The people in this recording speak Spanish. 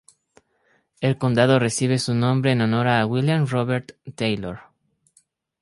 El condado recibe su nombre en honor a William Robert Taylor.